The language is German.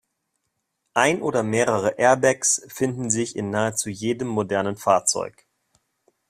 Ein oder mehrere Airbags finden sich in nahezu jedem modernen Fahrzeug.